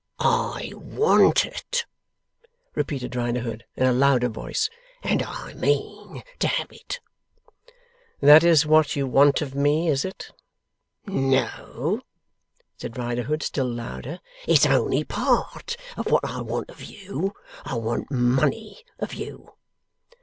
'I want it,' repeated Riderhood, in a louder voice, 'and I mean to have it.' 'That is what you want of me, is it?' 'No,' said Riderhood, still louder; 'it's on'y part of what I want of you. I want money of you.